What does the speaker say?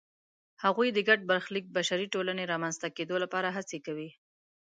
هغوی د ګډ برخلیک بشري ټولنې رامنځته کېدو لپاره هڅې کوي.